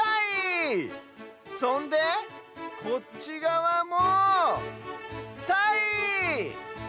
そんでこっちがわもたい！